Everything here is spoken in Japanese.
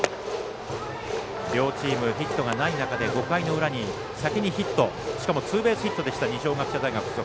両チーム、ヒットがない中で５回の裏に先にヒット、しかもツーベースヒットでした二松学舎大付属。